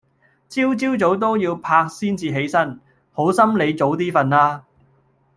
朝朝早都要拍先至起身，好心你早啲瞓啦